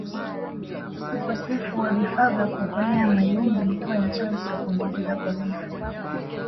Ukosefu wa vifaa vya kuokolea majini ulikuwa ni chanzo cha kuongezeka kwa vifo